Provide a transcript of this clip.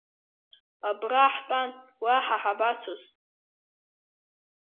Абра ҳтәан, уаҳа ҳабацоз…